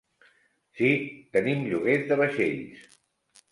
Sí, tenim lloguers de vaixells.